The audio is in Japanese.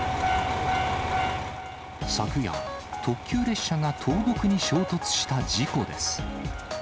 昨夜、特急列車が倒木に衝突した事故です。